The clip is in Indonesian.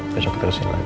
besok kita kesini lagi